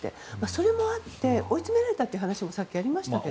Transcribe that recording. それもあって追い詰められたという話もありましたが。